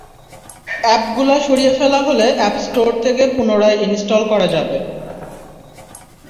অ্যাপগুলো সরিয়ে ফেলা হলে অ্যাপ স্টোর থেকে পুনরায় ইনস্টল করা যাবে।